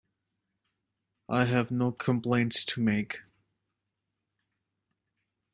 I have no complaints to make.